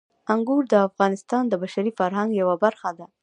انګور د افغانستان د بشري فرهنګ یوه برخه ده.